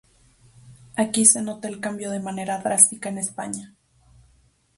Aquí se nota el cambio de manera drástica en España.